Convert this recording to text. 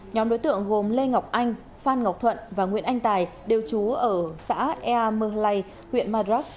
nhóm đối tượng gồm lê ngọc anh phan ngọc thuận và nguyễn anh tài đều trú ở xã ea mơ lay huyện madrak